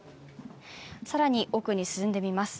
更に奥に進んでみます。